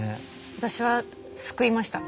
私は救いました。